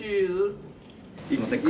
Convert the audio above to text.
すいません